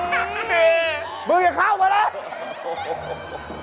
นี่มึงอย่าเข้ามาแล้ว